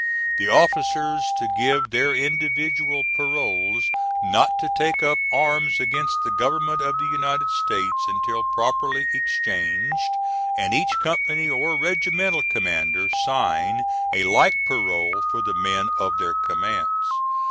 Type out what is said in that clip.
The officers to give their individual paroles not to take up arms against the Government of the United States until properly exchanged, and each company or regimental commander sign a like parole for the men of their commands.